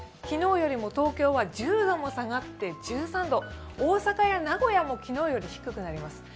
昨日よりも東京は１０度も下がって１３度大阪や名古屋も昨日よりも低くなります。